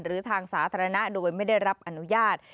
หรือทางสาธารณะโดยไม่ได้รับอนุญาต